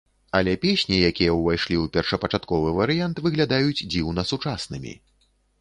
Але песні, якія ўвайшлі ў першапачатковы варыянт, выглядаюць дзіўна сучаснымі.